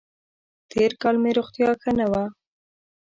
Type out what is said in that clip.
تېر کال مې روغتیا ښه نه وه.